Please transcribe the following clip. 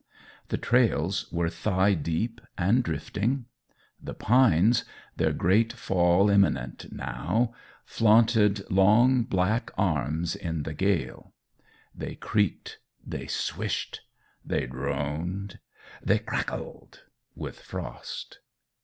The trails were thigh deep and drifting. The pines their great fall imminent, now flaunted long, black arms in the gale; they creaked, they swished, they droned, they crackled with frost.